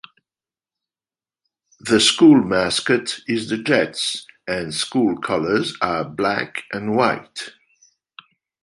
The school mascot is the Jets, and school colors are black and white.